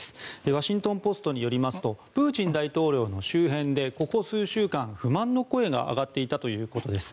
ワシントン・ポストによりますとプーチン大統領の周辺でここ数週間、不満の声が上がっていたということです。